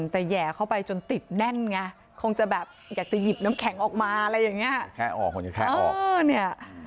แต่หย่อเข้าไปจนอุดติดแน่นไงคงอยากจะหยิบน้ำแข็งออกมาอะไรแบบนี้